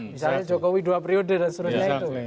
misalnya jokowi dua periode dan seterusnya itu